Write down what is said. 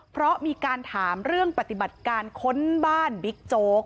เพราะมีการถามเรื่องปฏิบัติการค้นบ้านบิ๊กโจ๊ก